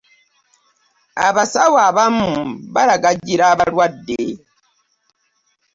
abasawo abamu balagajjalira abalwadde.